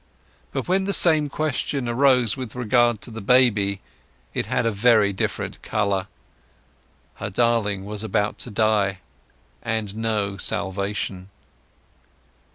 But when the same question arose with regard to the baby, it had a very different colour. Her darling was about to die, and no salvation.